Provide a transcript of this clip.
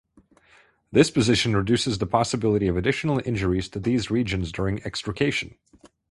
This position reduces the possibility of additional injuries to these regions during extrication.